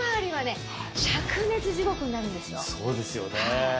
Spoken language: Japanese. そうですよね。